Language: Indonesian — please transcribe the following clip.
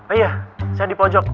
oh iya saya di pojok